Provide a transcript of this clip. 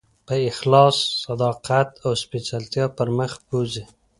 په اخلاص، صداقت او سپېڅلتیا پر مخ بوځي.